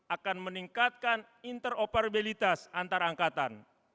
akan meningkatkan interoperabilitas antarangkatan